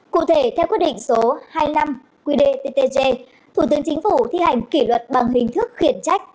cụ thể theo quyết định số hai mươi năm qdttg thủ tướng chính phủ thi hành kỷ luật bằng hình thức khiển trách